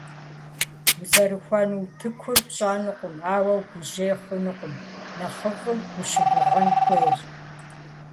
Узэрыхуэну утыкур пщӏэнукъым, ауэ угужьей хъунукъым, нэхъыфӏым ущыгугъын хуейщ.